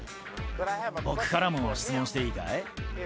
僕からも質問していいかい？